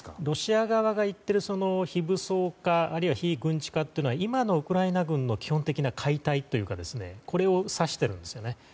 ロシア側が言っている非武装化あるいは非軍事化というのは今のウクライナ軍の基本的な解体というかこれを指しているんですね。